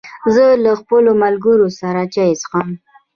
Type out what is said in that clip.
زه له خپلو ملګرو سره چای څښم.